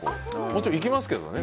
もちろん行きますけどね。